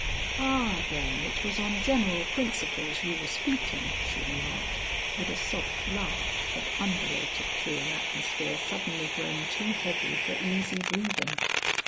"Ah then, it was on general principles you were speaking," she remarked with a soft laugh that undulated through an atmosphere suddenly grown too heavy for easy breathing.